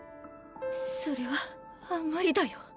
それはあんまりだよ